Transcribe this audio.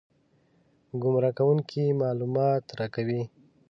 ګمراه کوونکي معلومات راکوي.